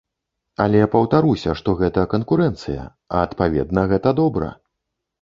Але паўтаруся, што гэта канкурэнцыя, а адпаведна, гэта добра.